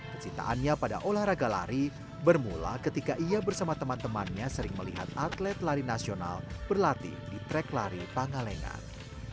kecintaannya pada olahraga lari bermula ketika ia bersama teman temannya sering melihat atlet lari nasional berlatih di trek lari pangalengan